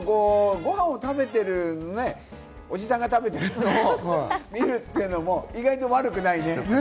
ごはんを食べているおじさんが食べてるのを見るっていうのも意外と悪くないね。